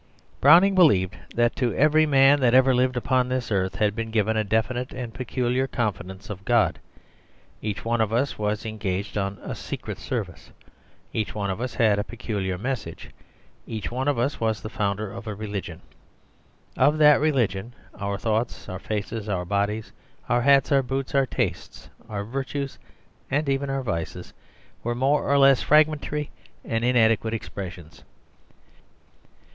Browning believed that to every man that ever lived upon this earth had been given a definite and peculiar confidence of God. Each one of us was engaged on secret service; each one of us had a peculiar message; each one of us was the founder of a religion. Of that religion our thoughts, our faces, our bodies, our hats, our boots, our tastes, our virtues, and even our vices, were more or less fragmentary and inadequate expressions.